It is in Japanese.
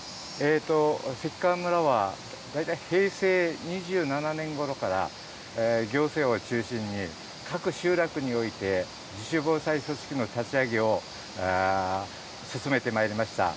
関川村は大体、平成２７年ごろから行政を中心に各集落において、自主防災組織の立ち上げを進めてまいりました。